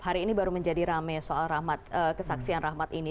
hari ini baru menjadi rame soal kesaksian rahmat ini